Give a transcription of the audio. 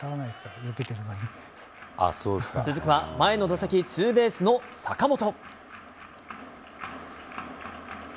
続くは、前の打席、ツーベースの坂本。